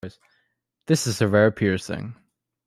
This is a rare piercing.